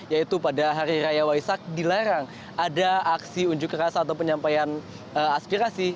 yaitu pada hari raya waisak dilarang ada aksi unjuk rasa atau penyampaian aspirasi